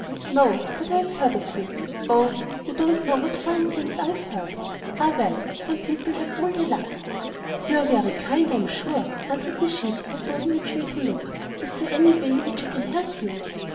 'No; but I have heard of you. Oh! You don't know what fine things I have heard! Ah, well, some people have all the luck!' 'You are very kind, I am sure,' answered the sheep, not knowing which way to look. 'Is there any way in which I can help you?